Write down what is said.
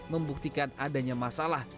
membuktikan adanya masalah